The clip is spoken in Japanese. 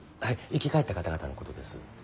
生き返った方々のことです。